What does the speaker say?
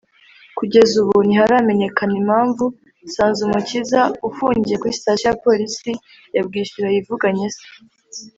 Kugeza ubu ntiharamenyekana impamvu Nsanzumukiza ufungiye kuri sitasiyo ya Polisi ya Bwishyura yivuganye se